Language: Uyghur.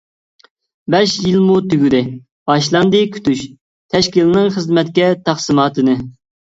بەش يىلمۇ تۈگىدى، باشلاندى كۈتۈش، تەشكىلنىڭ خىزمەتكە تەقسىماتىنى.